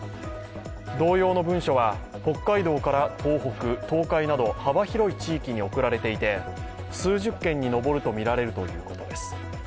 同様の文書は北海道から東北、東海など幅広い地域に送られていて、数十件に上るとみられるということです。